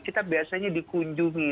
kita biasanya dikunjungi